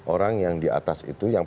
orang yang di atas itu yang